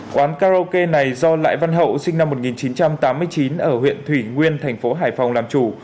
quán karaoke này do lại văn hậu sinh năm một nghìn chín trăm tám mươi chín ở huyện thủy nguyên thành phố hải phòng làm chủ